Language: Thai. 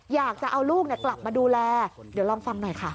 อยากจะเอาลูกกลับมาดูแลเดี๋ยวลองฟังหน่อยค่ะ